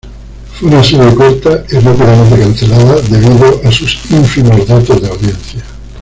Fue una serie corta y rápidamente cancelada, debido a sus ínfimos datos de audiencia.